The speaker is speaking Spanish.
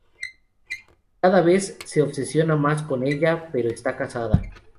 Cada vez se obsesiona más con ella, pero está casada...